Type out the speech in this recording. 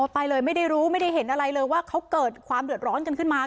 ไปเลยไม่ได้รู้ไม่ได้เห็นอะไรเลยว่าเขาเกิดความเดือดร้อนกันขึ้นมา